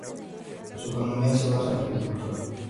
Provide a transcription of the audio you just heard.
Su economía se basa en la agricultura.